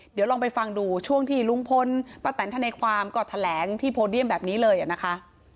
เดี๋ยวลองไปฟังดูช่วงที่ลุงพลป้าแตนธนายความก็แถลงที่โพเดียมแบบนี้เลยนะคะ